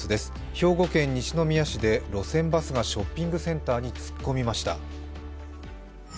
兵庫県西宮市で路線バスがショッピングセンタ−に突っ込みました。